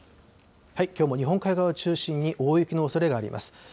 きょうも日本海側を中心に大雪のおそれがあります。